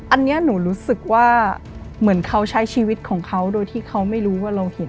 อันนี้หนูรู้สึกว่าเหมือนเขาใช้ชีวิตของเขาโดยที่เขาไม่รู้ว่าเราเห็น